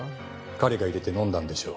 彼が入れて飲んだんでしょう。